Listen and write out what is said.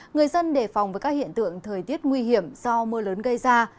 người dân đề phòng với các hiện tượng thời tiết nguy hiểm do mưa lớn gây ra